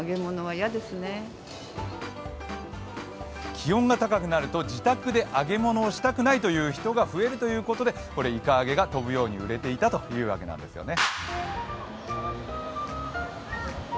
気温が高くなると自宅で揚げ物をしたくないという人が増えるということでいか揚げが飛ぶように売れていたというわけなんですよね。